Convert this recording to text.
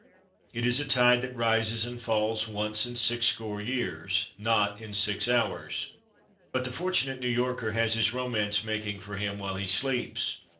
It is a tide that rises and falls once in sixscore years, not in six hours. But the fortunate New Yorker has his romance making for him while he sleeps.